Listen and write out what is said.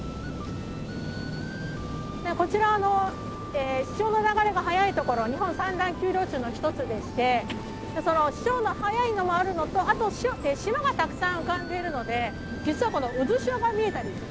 こちら潮の流れが速い所日本三大急潮流の一つでしてその潮の速いのもあるのとあと島がたくさん浮かんでいるので実はこの渦潮が見えたりですね。